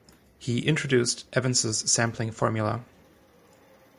He introduced Ewens's sampling formula.